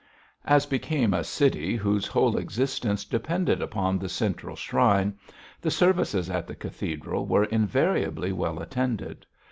As became a city whose whole existence depended upon the central shrine, the services at the cathedral were invariably well attended.